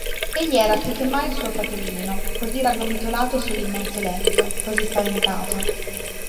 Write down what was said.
Egli era più che mai il suo fratellino, così raggomitolato sull'immenso letto; così spaventato.